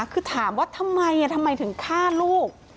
คือถามว่าทำไมทำไมถึงฆ่าลูก